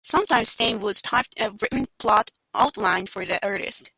Sometimes Stan would type up a written plot outline for the artist.